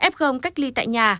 f cách ly tại nhà